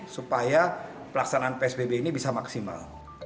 supaya pelaksanaan psbb ini bisa maksimal